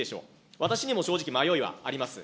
私にも正直、迷いはあります。